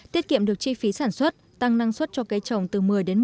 tiết kiệm được chi phí sản xuất tăng năng suất cho cây trồng từ một mươi một mươi